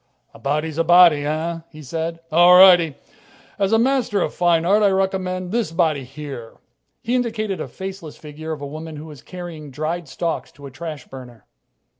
"A body's a body, eh?" he said. "All righty. As a master of fine art, I recommend this body here." He indicated a faceless figure of a woman who was carrying dried stalks to a trash burner.